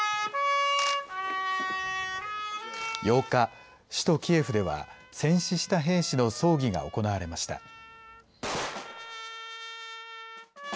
８日、首都キエフでは戦死した兵士の葬儀が行われました。